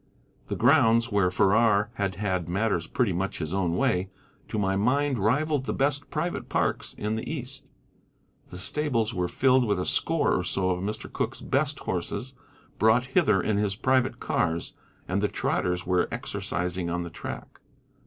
The grounds, where Farrar had had matters pretty much his own way, to my mind rivalled the best private parks in the East. The stables were filled with a score or so of Mr. Cooke's best horses, brought hither in his private cars, and the trotters were exercising on the track.